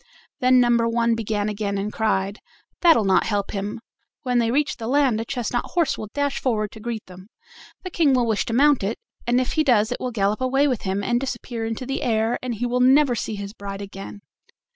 Then number one began again and cried: "That'll not help him! When they reach the land a chestnut horse will dash forward to greet them: the King will wish to mount it, and if he does it will gallop away with him, and disappear into the air, and he will never see his bride again."